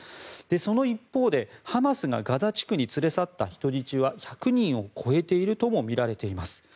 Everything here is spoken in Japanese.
その一方でハマスがガザ地区に連れ去った人質は１００人を超えているともみられています。